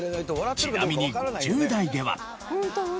ちなみに５０代では。